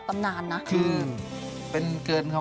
เพราะว่าใจแอบในเจ้า